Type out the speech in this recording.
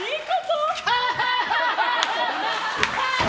ハハハハ！